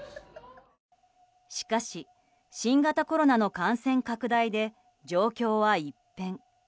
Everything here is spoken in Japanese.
しかし、新型コロナの感染拡大で状況は一変。